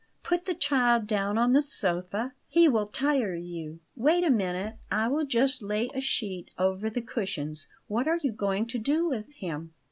Put the child down on the sofa; he will tire you. Wait a minute; I will just lay a sheet over the cushions. What are you going to do with him?"